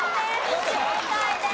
不正解です。